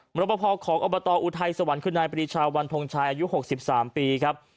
มรพพอของอบตอุทัยสวรรค์คุณนายประดิษฐาวันพงษ์ชายอายุ๖๓ปีครับ